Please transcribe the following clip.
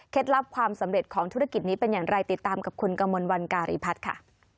ลับความสำเร็จของธุรกิจนี้เป็นอย่างไรติดตามกับคุณกมลวันการีพัฒน์ค่ะ